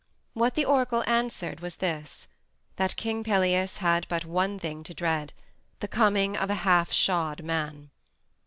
What the oracle answered was this: that King Pelias had but one thing to dread the coming of a half shod man.